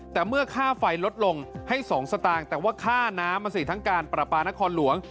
แต่เมื่อค่าไฟลดลงให้๒สตางค์แต่ว่าค่าน้ำมาสิทั้งการปราปานครหลวง